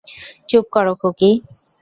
চুপ করো, খুকি।